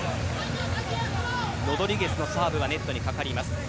ロドリゲスのサーブがネットにかかります。